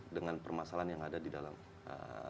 dengan permasalahan yang ada di dalamnya